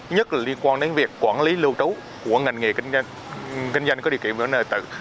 nhất liên quan đến việc quản lý lưu trú của ngành nghề kinh doanh có địa kiểm nội tử